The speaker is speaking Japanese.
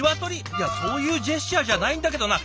いやそういうジェスチャーじゃないんだけどな。